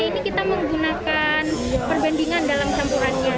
ini kita menggunakan perbandingan dalam campurannya